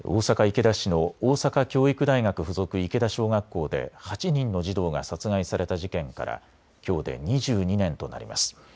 池田市の大阪教育大学附属池田小学校で８人の児童が殺害された事件からきょうで２２年となります。